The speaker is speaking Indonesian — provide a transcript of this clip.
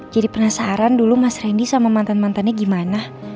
jadi penasaran dulu mas randy sama mantan mantannya gimana